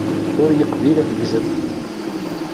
Ur yeqbil ad t-ggzen.